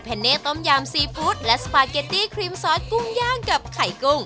เน่ต้มยำซีฟู้ดและสปาเกตตี้ครีมซอสกุ้งย่างกับไข่กุ้ง